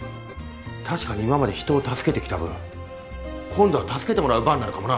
確かに今まで人を助けてきた分今度は助けてもらう番なのかもな。